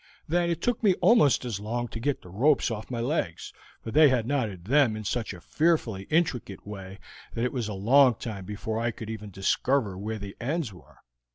Then it took me almost as long to get the ropes off my legs, for they had knotted them in such a fearfully intricate way that it was a long time before I could even discover where the ends were.